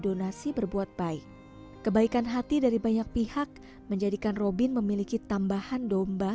donasi berbuat baik kebaikan hati dari banyak pihak menjadikan robin memiliki tambahan domba